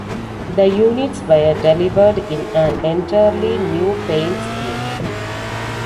The units were delivered in an entirely new paint scheme.